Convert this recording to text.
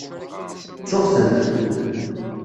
Ttuɣ-tent.